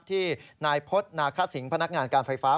ที่นายพฤษนาคสิงพนักงานการไฟฟ้า